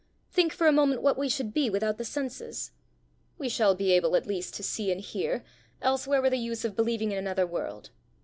Think for a moment what we should be without the senses!" "We shall be able at least to see and hear, else where were the use of believing in another world?"